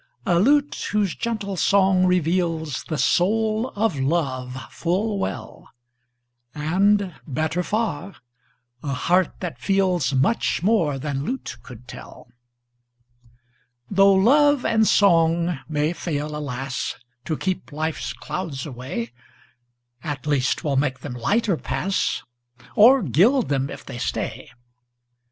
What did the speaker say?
A lute whose gentle song reveals The soul of love full well; And, better far, a heart that feels Much more than lute could tell. Tho' love and song may fail, alas! To keep life's clouds away, At least 'twill make them lighter pass, Or gild them if they stay.